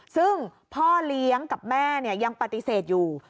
ซึ่งพ่อเลี้ยงกับแม่ยังปฏิเสธอยู่